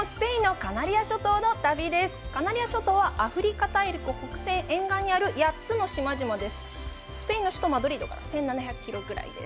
カナリア諸島は、アフリカ大陸北西沿岸にある８つの島々です。